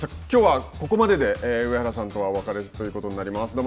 きょうはここまでで上原さんとはお別れということになります。